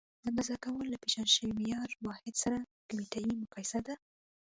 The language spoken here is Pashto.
اندازه کول له پیژندل شوي معیاري واحد سره کمیتي مقایسه ده.